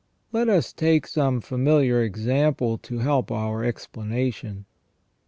Let us take some familiar example to help our explanation.